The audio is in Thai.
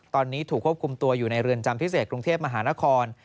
ตอนนี้ถูกควบคุมตัวอยู่ในเรือนจำพิเศษกรุงเทพมหานคร